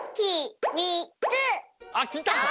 あっきた！